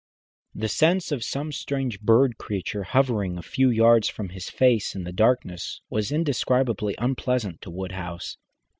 The sense of some strange bird creature hovering a few yards from his face in the darkness was indescribably unpleasant to Woodhouse.